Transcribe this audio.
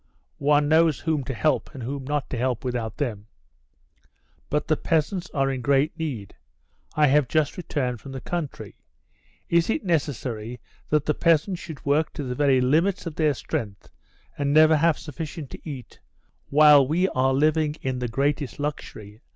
"One knows whom to help and whom not to help without them." "But the peasants are in great need. I have just returned from the country. Is it necessary, that the peasants should work to the very limits of their strength and never have sufficient to eat while we are living in the greatest luxury?"